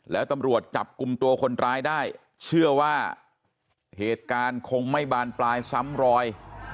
แล้วตำรวจจับกลุ่มตัวคนร้ายได้เชื่อว่าเหตุการณ์คงไม่บานปลายซ้ำรอย